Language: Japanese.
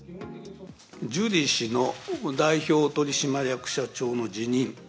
ジュリー氏の代表取締役社長の辞任。